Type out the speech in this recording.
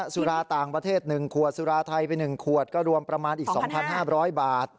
สุราต่างประเทศ๑ขวดสุราไทยไป๑ขวดก็รวมประมาณอีก๒๕๐๐บาท